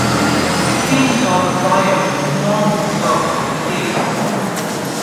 The king saw the fire and informed himself of the case.